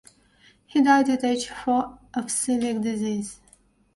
He died at age four of celiac disease.